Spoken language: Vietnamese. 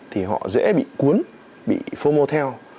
thì họ dễ bị cuốn bị phô mô theo